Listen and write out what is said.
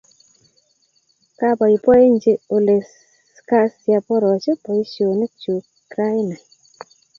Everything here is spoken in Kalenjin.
Kapoipoenji olekasiaporoch poisyonik chuk raini.